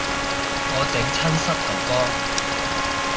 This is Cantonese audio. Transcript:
我整親膝頭哥